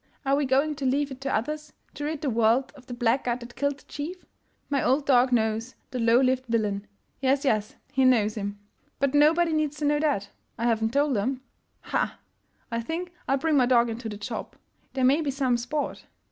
Are we going to leave it to others to rid the world of the black guard that killed the chief1? My old dog knows the low lived villain — yes, yes, he knows him! But nobody needs to know that — I haven't told 'em. Ha! ha! I think I'll bring my dog into the job — there may be some sport!